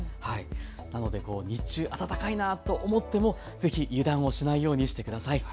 なので日中暖かいなと思ってもぜひ油断をしないようにしてください。